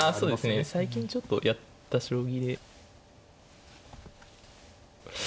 そうですね最近ちょっとやった将棋で。